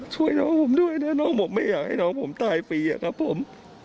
ช่วยน้องผมด้วยนะน้องผมไม่อยากให้น้องผมตายฟรีอะครับผม